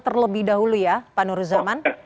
terlebih dahulu ya pak nur zaman